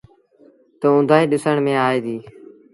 تا اُندآئي ڏسڻ ميݩ آئي ديٚ۔